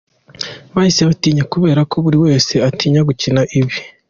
Bahise bantinya kubera ko buri wese atinya gukina ibibi.